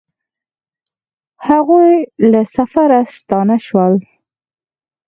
هغوی له سفره ستانه شول